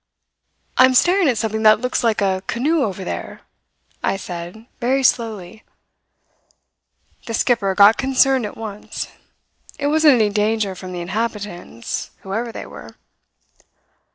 "'I am staring at something that looks like a canoe over there,' I said very slowly. "The skipper got concerned at once. It wasn't any danger from the inhabitants, whoever they were.